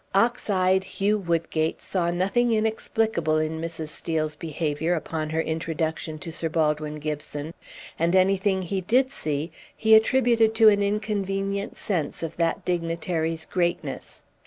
Ox eyed Hugh Woodgate saw nothing inexplicable in Mrs. Steel's behavior upon her introduction to Sir Baldwin Gibson, and anything he did see he attributed to an inconvenient sense of that dignitary's greatness.